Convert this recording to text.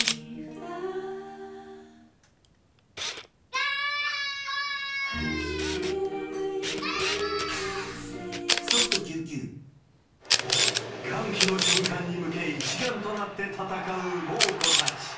ニトリ歓喜の瞬間に向け、一丸となって戦う猛虎たち。